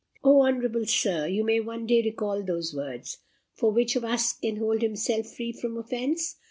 "O, honourable Sir! you may one day recall those words; for which of us can hold himself free from offence?